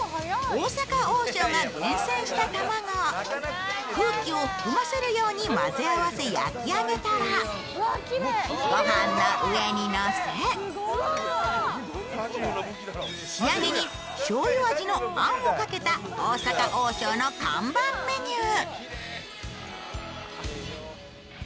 大阪王将が厳選した卵を空気を含ませるようにして混ぜ合わせ焼き上げたら御飯の上にのせ、仕上げにしょうゆ味のあんをかけた大阪王将の看板メニュー。